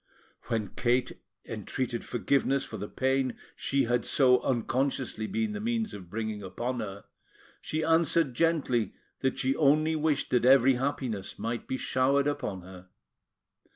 When Kate entreated forgiveness for the pain she had so unconsciously been the means of bringing upon her, she answered gently that she only wished that every happiness might be showered upon her.